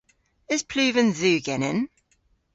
Eus pluven dhu genen?